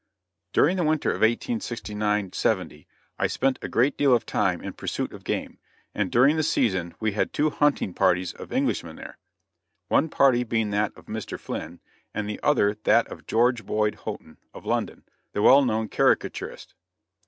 During the winter of 1869 70 I spent a great deal of time in pursuit of game, and during the season we had two hunting parties of Englishmen there; one party being that of Mr. Flynn, and the other that of George Boyd Houghton, of London the well known caricaturist.